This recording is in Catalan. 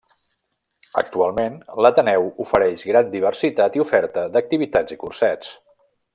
Actualment l'Ateneu ofereix gran diversitat i oferta d'activitats i cursets.